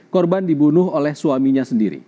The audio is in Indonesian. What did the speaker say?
korban dibunuh oleh suaminya sendiri